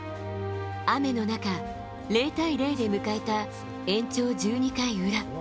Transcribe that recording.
雨の中、０対０で迎えた延長１２回裏。